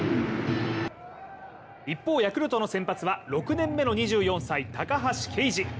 一方、ヤクルトの先発は６年目の２４歳、高橋奎二。